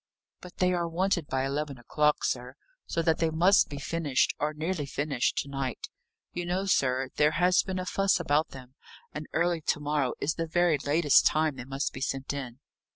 "But they are wanted by eleven o'clock, sir, so that they must be finished, or nearly finished, to night. You know, sir, there has been a fuss about them, and early to morrow, is the very latest time they must be sent in."